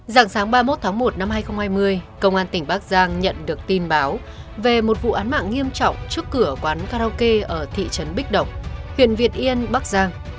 giảng sáng ba mươi một tháng một năm hai nghìn hai mươi công an tỉnh bắc giang nhận được tin báo về một vụ án mạng nghiêm trọng trước cửa quán karaoke ở thị trấn bích độc huyện việt yên bắc giang